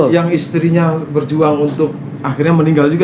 yang istrinya berjuang untuk akhirnya meninggal juga